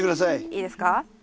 いいですか。